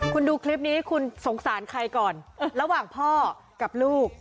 คุณดูคลิปนี้คุณสงสารใครก่อนระหว่างพ่อกับลูก